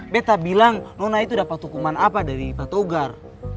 beta bilang lona itu dapat hukuman apa dari pak togar